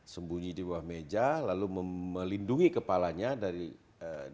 sembunyi di bawah meja lalu melindungi kepalanya dari dalam